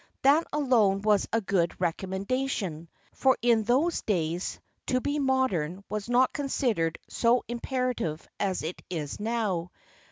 That alone was a good recommendation, for in those days to be modern was not considered so imperative as it is now.